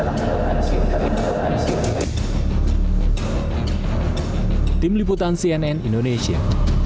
tim liputan cnn indonesia